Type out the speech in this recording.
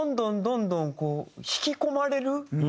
どんどんどんどんこう引き込まれる。